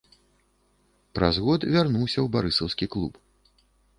Праз год вярнуўся ў барысаўскі клуб.